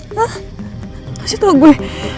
masih tau gue